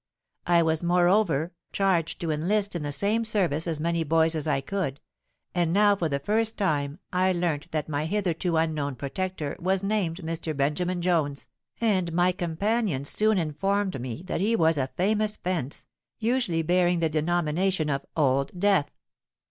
I was, moreover, charged to enlist in the same service as many boys as I could; and now for the first time I learnt that my hitherto unknown protector was named Mr. Benjamin Bones, and my companions soon informed me that he was a famous fence, usually bearing the denomination of 'Old Death.'